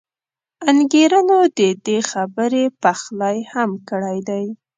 انګېرنو د دې خبرې پخلی هم کړی دی.